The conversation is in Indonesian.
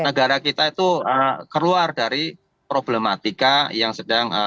negara kita itu keluar dari problematika yang sedang